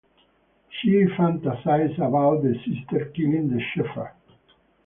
She fantasizes about the Sisters killing the Shepherd.